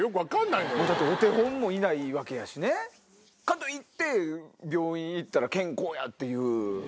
だってお手本もいないわけやしね。かと言って病院行ったら健康やっていう。